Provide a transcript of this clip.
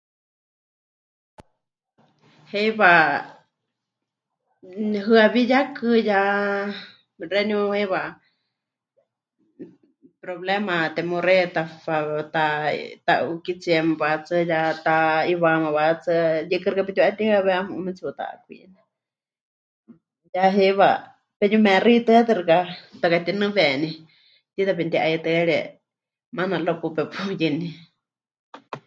Heiwa hɨawiyakɨ ya xeeníu heiwa problema temeuxeiya tafam... ta... ta'úkitsiema wahetsɨa ya ta'iwaáma wahetsɨa, yɨkɨ xɨka petiu'atihɨawé 'amu'ú matsi'utakwine, ya heiwa peyumexɨitɨatɨ xɨka pekatinɨweni tiita pemɨti'aitɨ́arie, maana luego paɨ pepɨyɨní.